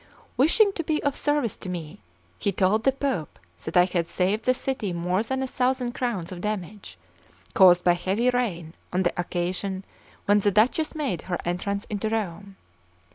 Wishing to be of service to me, he told the Pope that I had saved the city more than a thousand crowns of damage, caused by heavy rain on the occasion when the Duchess made her entrance into Rome.